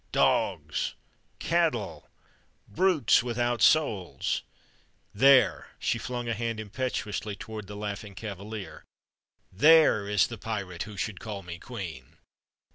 Dogs! Cattle! Brutes without souls! There " she flung a hand impetuously toward the "Laughing Cavalier" "there is the pirate who should call me queen!